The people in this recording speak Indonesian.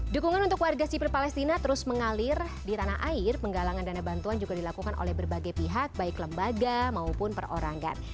dukungan untuk warga sipil palestina terus mengalir di tanah air penggalangan dana bantuan juga dilakukan oleh berbagai pihak baik lembaga maupun perorangan